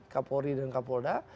kak polri dan kak polda